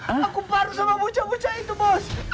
aku parno sama bocah bocah itu boss